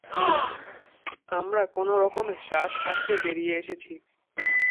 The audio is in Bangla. আমরা কোন রকমে শ্বাস আটকে বেরিয়ে এসেছি।